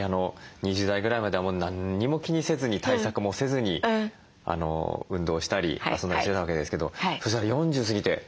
２０代ぐらいまでは何も気にせずに対策もせずに運動したり遊んだりしてたわけですけどそうしたら４０過ぎてシミが。